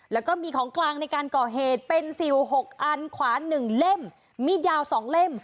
แล้วก็มีของกลางในการก่อเหตุเป็นซิล๖อันขวาน๑เล่มมีดยาว๒เล่ม